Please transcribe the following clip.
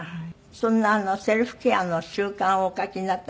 そんなセルフケアの習慣をお書きになったご本も。